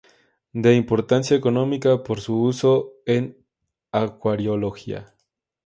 De importancia económica por su uso en acuariología.